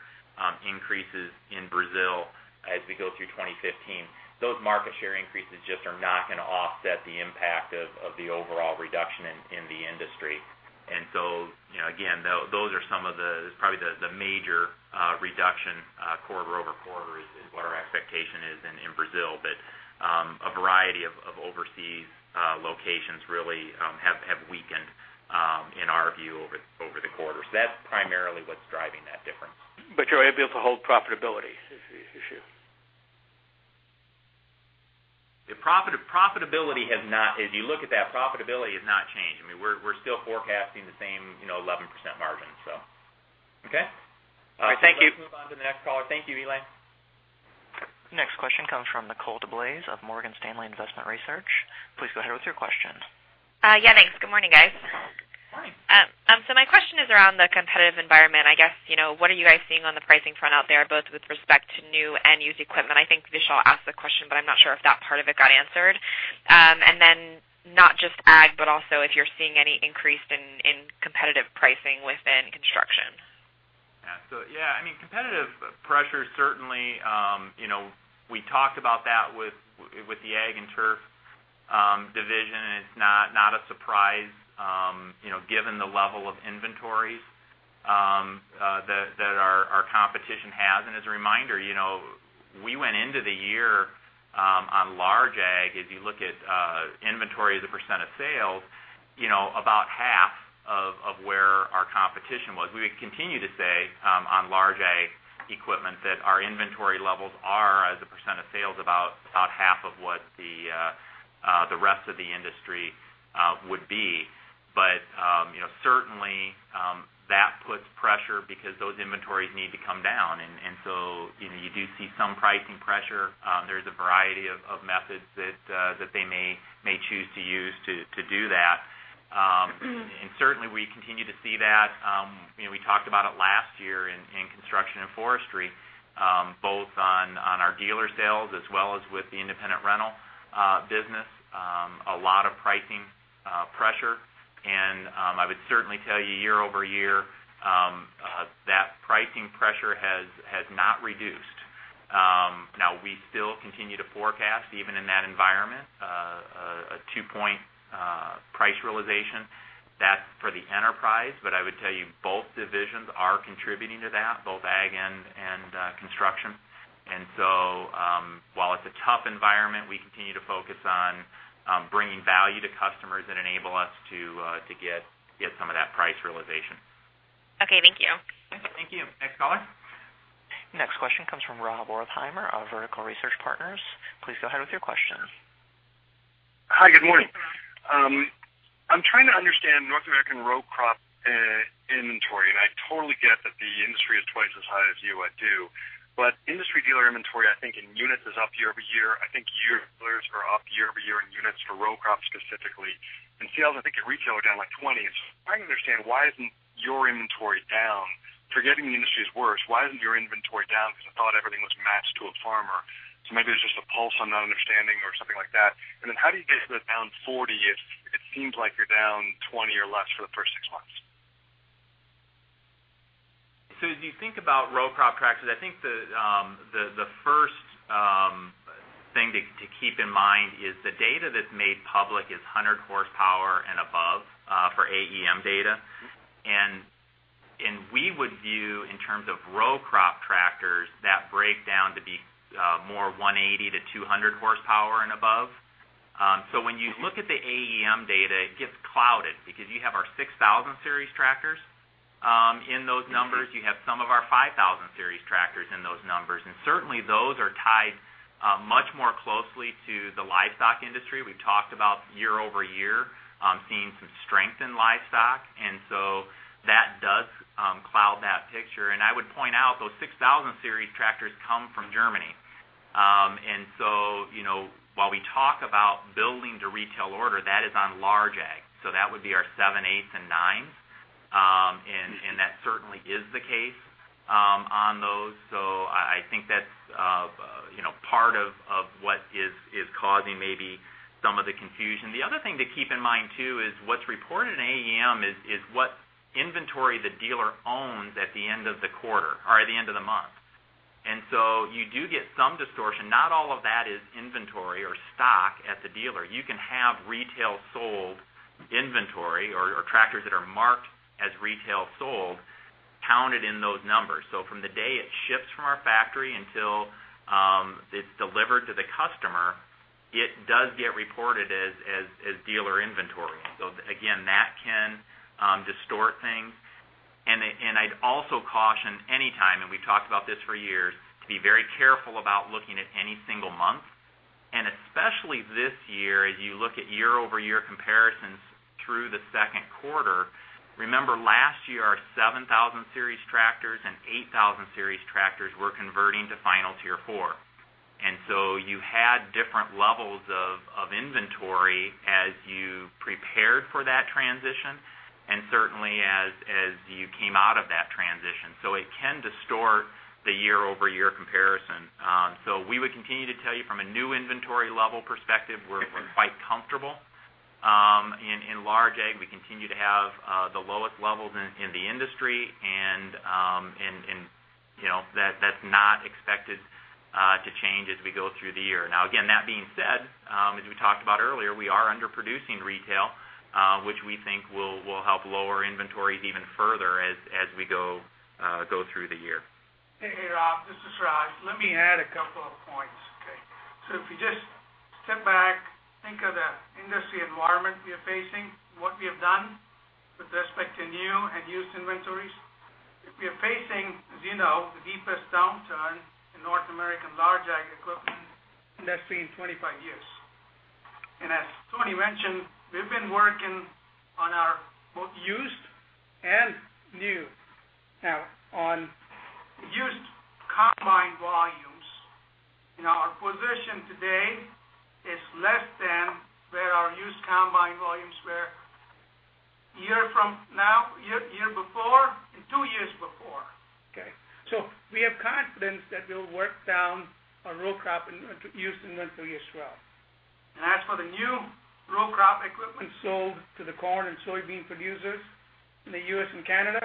increases in Brazil as we go through 2015. Those market share increases just are not going to offset the impact of the overall reduction in the industry. Again, those are some of probably the major reduction quarter-over-quarter is what our expectation is in Brazil. A variety of overseas locations really have weakened, in our view, over the quarter. That's primarily what's driving that difference. You're able to hold profitability is the issue. Profitability has not, as you look at that, profitability has not changed. We're still forecasting the same 11% margin. Okay? All right. Thank you. Let's move on to the next caller. Thank you, Eli. Next question comes from Nicole DeBlase of Morgan Stanley Investment Research. Please go ahead with your question. Yeah, thanks. Good morning, guys. Morning. My question is around the competitive environment. I guess, what are you guys seeing on the pricing front out there, both with respect to new and used equipment? I think Vishal asked the question, but I am not sure if that part of it got answered. Not just ag, but also if you are seeing any increase in competitive pricing within construction. Competitive pressure certainly, we talked about that with the Ag and Turf Division, and it is not a surprise given the level of inventories that our competition has. As a reminder, we went into the year on large ag, if you look at inventory as a % of sales, about half of where our competition was. We continue to say on large ag equipment that our inventory levels are, as a % of sales, about half of what the rest of the industry would be. Certainly, that puts pressure because those inventories need to come down. You do see some pricing pressure. There is a variety of methods that they may choose to use to do that. Certainly, we continue to see that. We talked about it last year in Construction and Forestry, both on our dealer sales as well as with the independent rental business. A lot of pricing pressure. I would certainly tell you year-over-year, that pricing pressure has not reduced. Now, we still continue to forecast, even in that environment, a two-point price realization. That is for the enterprise. I would tell you both divisions are contributing to that, both Ag and Construction. While it is a tough environment, we continue to focus on bringing value to customers that enable us to get some of that price realization. Okay, thank you. Thank you. Next caller. Next question comes from Rob Wertheimer of Vertical Research Partners. Please go ahead with your question. Hi, good morning. I'm trying to understand North American row crop inventory. I totally get that the industry is twice as high as you do. Industry dealer inventory, I think in units is up year-over-year. I think your dealers are up year-over-year in units for row crops specifically. In sales, I think your retail are down like 20%. I'm trying to understand why isn't your inventory down? Forgetting the industry is worse, why isn't your inventory down? Because I thought everything was matched to a farmer. Maybe there's just a pulse I'm not understanding or something like that. How do you get to the down 40% if it seems like you're down 20% or less for the first six months? As you think about row crop Tractors, I think the first thing to keep in mind is the data that's made public is 100 horsepower and above for AEM data. In terms of row crop Tractors, that break down to be more 180 to 200 horsepower and above. When you look at the AEM data, it gets clouded because you have our 6000 Series Tractors in those numbers. You have some of our 5000 Series Tractors in those numbers, and certainly, those are tied much more closely to the livestock industry. We've talked about year-over-year seeing some strength in livestock, that does cloud that picture. I would point out, those 6000 Series Tractors come from Germany. While we talk about building to retail order, that is on large ag. That would be our sevens, eights, and nines. That certainly is the case on those. I think that's part of what is causing maybe some of the confusion. The other thing to keep in mind, too, is what's reported in AEM is what inventory the dealer owns at the end of the month. You do get some distortion. Not all of that is inventory or stock at the dealer. You can have retail sold inventory or tractors that are marked as retail sold counted in those numbers. From the day it ships from our factory until it's delivered to the customer, it does get reported as dealer inventory. Again, that can distort things. I'd also caution anytime, and we've talked about this for years, to be very careful about looking at any single month, and especially this year, as you look at year-over-year comparisons through the second quarter. Remember last year, our 7000 Series Tractors and 8000 Series Tractors were converting to final Tier 4. You had different levels of inventory as you prepared for that transition and certainly as you came out of that transition. It can distort the year-over-year comparison. We would continue to tell you from a new inventory level perspective, we're quite comfortable. In large ag, we continue to have the lowest levels in the industry, and that's not expected to change as we go through the year. Again, that being said, as we talked about earlier, we are underproducing retail, which we think will help lower inventories even further as we go through the year. Hey, Rob, this is Raj. Let me add a couple of points, okay? If you just step back, think of the industry environment we are facing and what we have done with respect to new and used inventories. We are facing, as you know, the deepest downturn in North American large ag equipment that's seen in 25 years. As Tony mentioned, we've been working on our both used and new. On used combine volumes, our position today is less than where our used combine volumes were a year before and two years before. Okay. We have confidence that we'll work down our row crop used inventory as well. As for the new row crop equipment sold to the corn and soybean producers in the U.S. and Canada,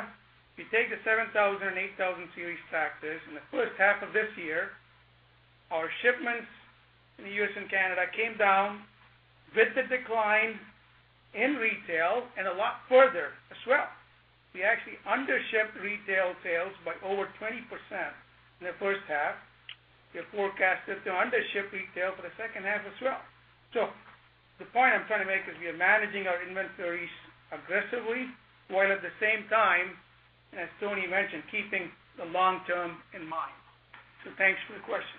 if you take the 7000 and 8000 Series Tractors in the first half of this year, our shipments in the U.S. and Canada came down with the decline in retail and a lot further as well. We actually undershipped retail sales by over 20% in the first half. We are forecasted to undership retail for the second half as well. The point I'm trying to make is we are managing our inventories aggressively, while at the same time, as Tony mentioned, keeping the long-term in mind. Thanks for the question.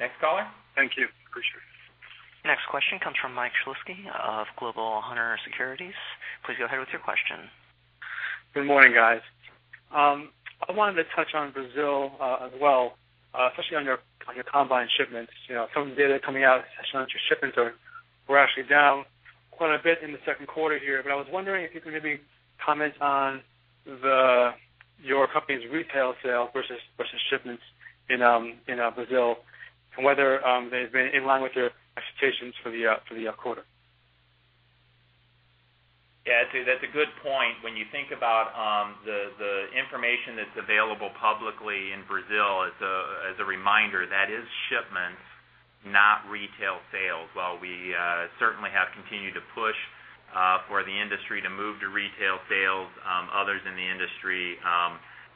Next caller. Thank you. Appreciate it. Next question comes from Michael Shlisky of Global Hunter Securities. Please go ahead with your question. Good morning, guys. I wanted to touch on Brazil as well, especially on your Combine shipments. Some data coming out showing that your shipments were actually down quite a bit in the second quarter here. I was wondering if you could maybe comment on your company's retail sale versus shipments in Brazil, and whether they've been in line with your expectations for the quarter. Yeah, that's a good point. When you think about the information that's available publicly in Brazil, as a reminder, that is shipments, not retail sales. While we certainly have continued to push for the industry to move to retail sales, others in the industry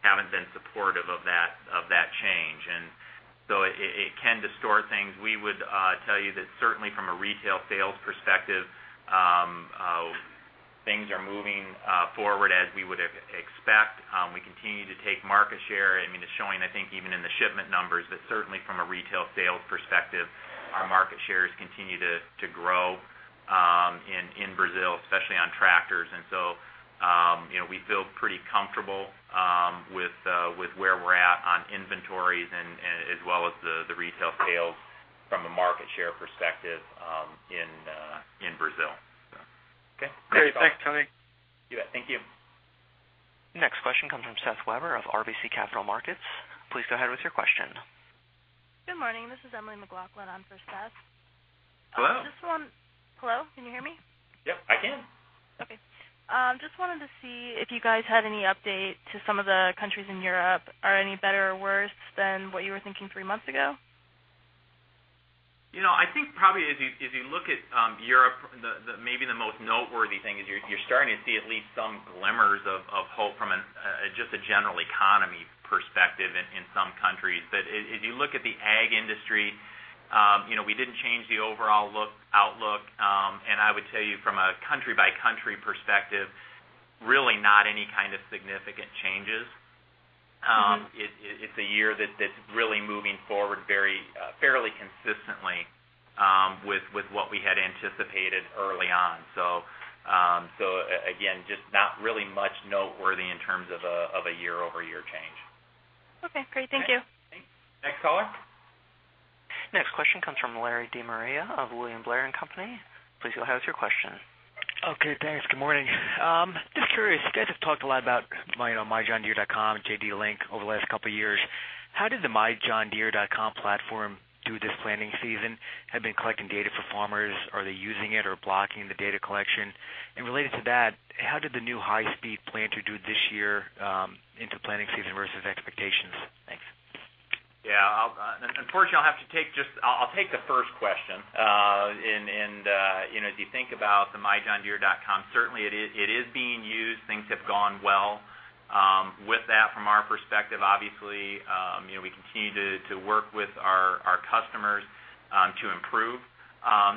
haven't been supportive of that change. It can distort things. We would tell you that certainly from a retail sales perspective, things are moving forward as we would expect. We continue to take market share. It's showing, I think, even in the shipment numbers, but certainly from a retail sales perspective, our market shares continue to grow in Brazil, especially on Tractors. We feel pretty comfortable with where we're at on inventories and as well as the retail sales from a market share perspective in Brazil. Okay. Great. Thanks, Tony. You bet. Thank you. Next question comes from Seth Weber of RBC Capital Markets. Please go ahead with your question. Good morning. This is Emily McLaughlin on for Seth. Hello. Hello, can you hear me? Yep, I can. Okay. Just wanted to see if you guys had any update to some of the countries in Europe. Are any better or worse than what you were thinking three months ago? I think probably if you look at Europe, maybe the most noteworthy thing is you're starting to see at least some glimmers of hope from just a general economy perspective in some countries. If you look at the ag industry, we didn't change the overall outlook. I would tell you from a country-by-country perspective, really not any kind of significant changes. It's a year that's really moving forward fairly consistently with what we had anticipated early on. Again, just not really much noteworthy in terms of a year-over-year change. Okay, great. Thank you. Next caller. Next question comes from Larry DeMaria of William Blair & Company. Please go ahead with your question. Okay, thanks. Good morning. Just curious, you guys have talked a lot about MyJohnDeere and JDLink over the last couple of years. How did the MyJohnDeere platform do this planting season? Have been collecting data for farmers, are they using it or blocking the data collection? Related to that, how did the new high-speed planter do this year into planting season versus expectations? Thanks. Yeah. Unfortunately, I'll take the first question. If you think about the MyJohnDeere, certainly it is being used. Things have gone well with that from our perspective. Obviously, we continue to work with our customers to improve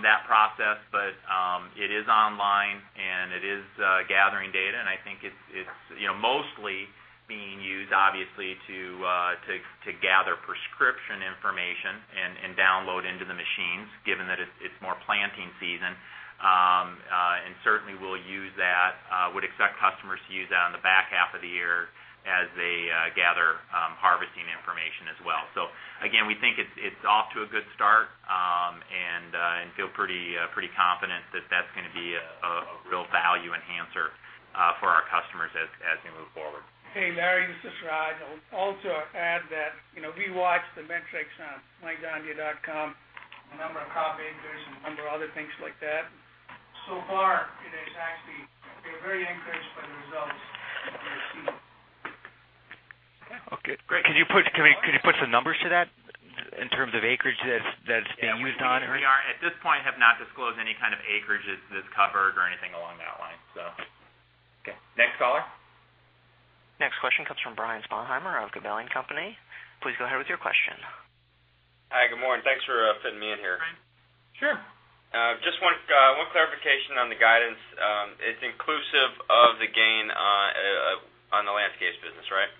that process. It is online, and it is gathering data, and I think it's mostly being used, obviously, to gather prescription information and download into the machines, given that it's more planting season. Certainly, would expect customers to use that on the back half of the year as they gather harvesting information as well. Again, we think it's off to a good start and feel pretty confident that that's going to be a real value enhancer for our customers as we move forward. Hey, Larry, this is Raj. I would also add that we watch the metrics on MyJohnDeere, the number of copy acres and a number of other things like that. So far, we're very encouraged by the results that we're seeing. Okay, great. Could you put some numbers to that in terms of acreage that it's being used on? We at this point have not disclosed any kind of acreages that's covered or anything along that line. Okay, next caller. Next question comes from Brian Sponheimer of Gabelli & Company. Please go ahead with your question. Hi, good morning. Thanks for fitting me in here. Sure. Just one clarification on the guidance. It's inclusive of the gain on the landscapes business, right?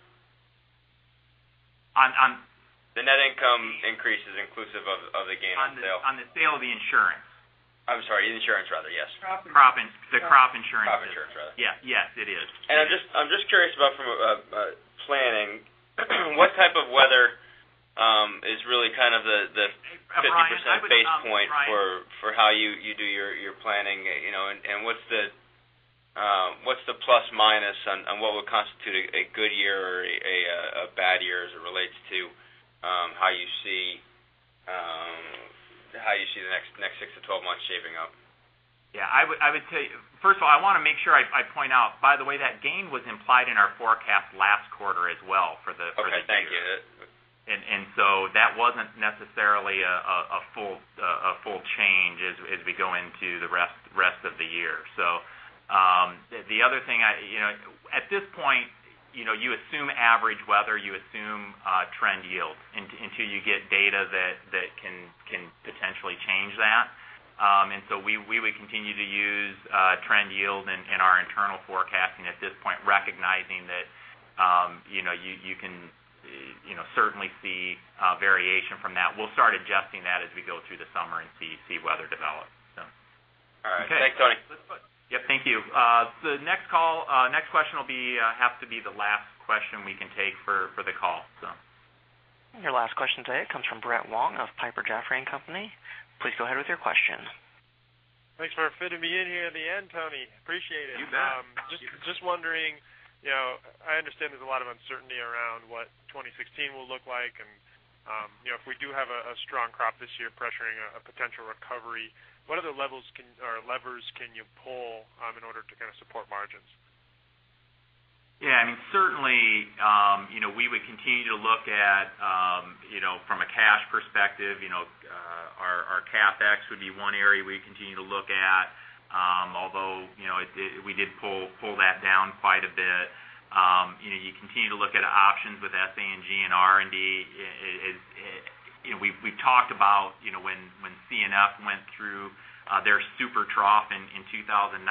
On- The net income increase is inclusive of the gain on sale. On the sale of the insurance. I'm sorry. The insurance, rather, yes. Crop insurance. The crop insurance. Crop insurance, rather. Yes, it is. I'm just curious about from a planning, what type of weather is really kind of the 50%- Brian, I would- base point for how you do your planning, and what's the plus/minus on what would constitute a good year or a bad year as it relates to how you see the next six to 12 months shaping up? Yeah. First of all, I want to make sure I point out, by the way, that gain was implied in our forecast last quarter as well for the- Okay, thank you. for the year. That wasn't necessarily a full change as we go into the rest of the year. The other thing, at this point, you assume average weather, you assume trend yields until you get data that can potentially change that. We would continue to use trend yield in our internal forecasting at this point, recognizing that you can certainly see variation from that. We'll start adjusting that as we go through the summer and see weather develop. All right. Thanks, Tony. Yep, thank you. The next question will have to be the last question we can take for the call. Your last question today comes from Brett Wong of Piper Jaffray & Company. Please go ahead with your question. Thanks for fitting me in here at the end, Tony. Appreciate it. You bet. Just wondering, I understand there's a lot of uncertainty around what 2016 will look like, and if we do have a strong crop this year pressuring a potential recovery, what other levers can you pull in order to kind of support margins? Yeah. Certainly, we would continue to look at, from a cash perspective, our CapEx would be one area we continue to look at. Although, we did pull that down quite a bit. You continue to look at options with SG&A and R&D. We've talked about when C&F went through their super trough in 2009.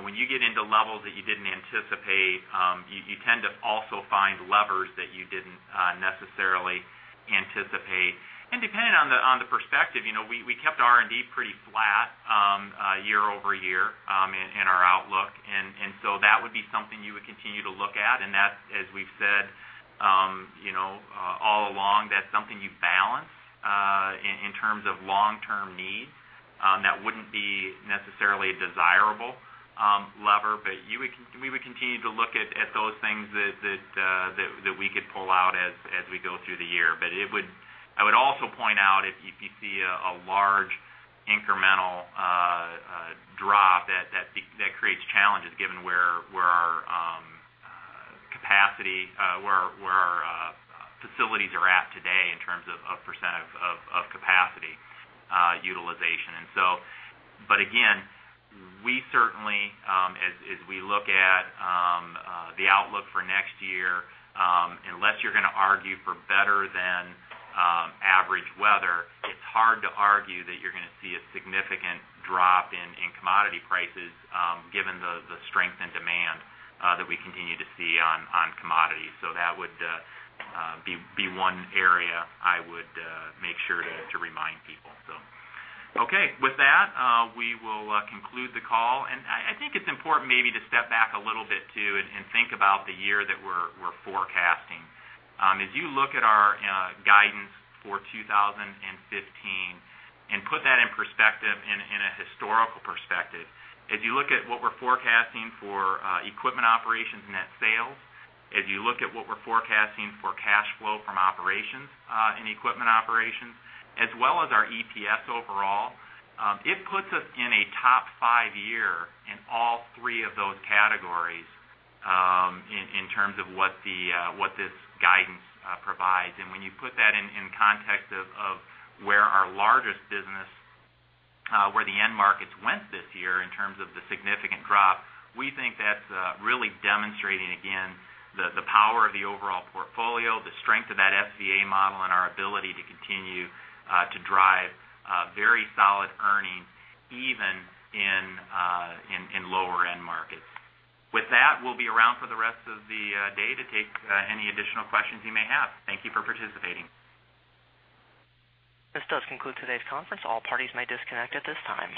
When you get into levels that you didn't anticipate, you tend to also find levers that you didn't necessarily anticipate. Depending on the perspective, we kept R&D pretty flat year-over-year in our outlook. That would be something you would continue to look at, and that, as we've said all along, that's something you balance in terms of long-term needs that wouldn't be necessarily a desirable lever. We would continue to look at those things that we could pull out as we go through the year. I would also point out, if you see a large incremental drop, that creates challenges given where our capacity, where our facilities are at today in terms of % of capacity utilization. Again, we certainly, as we look at the outlook for next year, unless you're going to argue for better than average weather, it's hard to argue that you're going to see a significant drop in commodity prices, given the strength in demand that we continue to see on commodities. That would be one area I would make sure to remind people. Okay. With that, we will conclude the call. I think it's important maybe to step back a little too and think about the year that we're forecasting. If you look at our guidance for 2015 and put that in perspective, in a historical perspective, if you look at what we're forecasting for equipment operations net sales, if you look at what we're forecasting for cash flow from operations in equipment operations, as well as our EPS overall, it puts us in a top five year in all three of those categories in terms of what this guidance provides. When you put that in context of where our largest business, where the end markets went this year in terms of the significant drop, we think that's really demonstrating again the power of the overall portfolio, the strength of that SVA model, and our ability to continue to drive very solid earnings even in lower end markets. With that, we'll be around for the rest of the day to take any additional questions you may have. Thank you for participating. This does conclude today's conference. All parties may disconnect at this time.